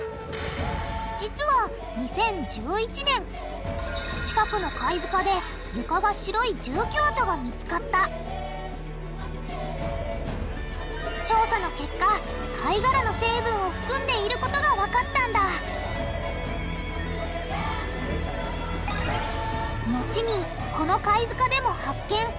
実は２０１１年近くの貝塚で床が白い住居跡が見つかった調査の結果貝がらの成分を含んでいることがわかったんだ後にこの貝塚でも発見。